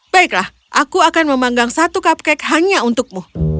baiklah aku akan memanggang satu cupcake hanya untukmu